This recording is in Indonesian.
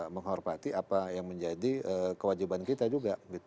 menghormati apa yang menjadi kewajiban kita juga